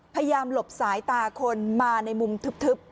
หลบสายตาคนมาในมุมทึบ